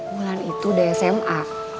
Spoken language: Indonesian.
wulan itu udah sma